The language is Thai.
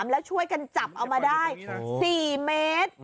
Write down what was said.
แล้วช่วยกันจับเอามาได้๔เมตร